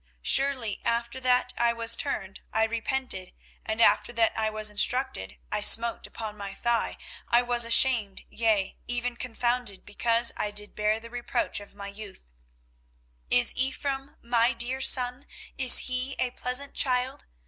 24:031:019 Surely after that I was turned, I repented; and after that I was instructed, I smote upon my thigh: I was ashamed, yea, even confounded, because I did bear the reproach of my youth. 24:031:020 Is Ephraim my dear son? is he a pleasant child?